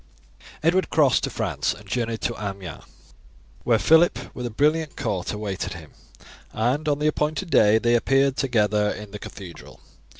"Edward crossed to France and journeyed to Amiens, where Phillip with a brilliant court awaited him, and on the appointed day they appeared together in the cathedral.